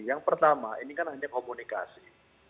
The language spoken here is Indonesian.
yang pertama ini kan hanya komunikasi